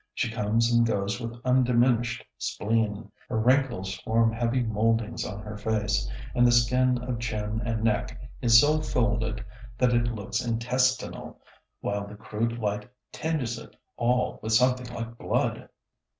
She comes and goes with undiminished spleen. Her wrinkles form heavy moldings on her face, and the skin of chin and neck is so folded that it looks intestinal, while the crude light tinges it all with something like blood.